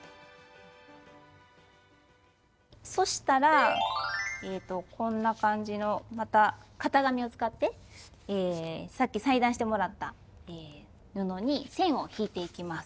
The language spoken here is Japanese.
そしたらえとこんな感じのまた型紙を使ってさっき裁断してもらった布に線を引いていきます。